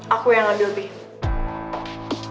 aku yang ambil